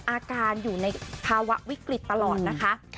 อาการอยู่ในภาวะวิกฤตตลอดนะคะ